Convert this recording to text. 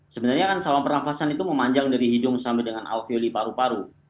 sebenarnya kan saluran pernafasan itu memanjang dari hidung sampai dengan alveoli paru paru